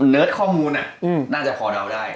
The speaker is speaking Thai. เนิร์ตข้อมูลน่าจะพอเดาได้